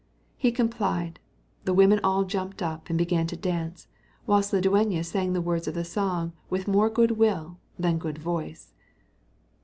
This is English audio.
He complied; the women all jumped up, and began to dance; whilst the dueña sang the words of the song with more good will than good voice.